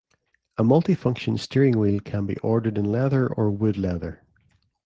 A multifunction steering wheel can be ordered in leather or wood leather.